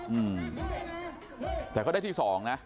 อืมแต่ก็ได้ที่สองนะ